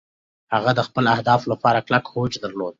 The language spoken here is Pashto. هغه د خپلو اهدافو لپاره کلک هوډ درلود.